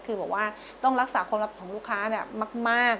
คือบอกว่าต้องรักษาความรับของลูกค้ามาก